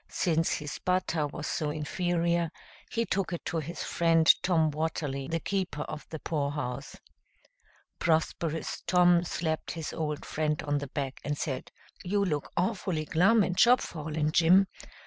Since his butter was so inferior, he took it to his friend Tom Watterly, the keeper of the poorhouse. Prosperous Tom slapped his old friend on the back and said, "You look awfully glum and chopfallen, Jim.